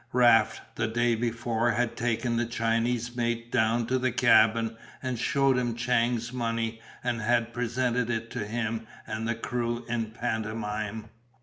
Raft, the day before, had taken the Chinese mate down to the cabin and shewed him Chang's money and had presented it to him and the crew in pantomime.